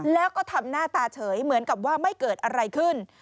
แล้วก็ทำหน้าตาเฉยเหมือนกับว่าไม่เกิดอะไรขึ้น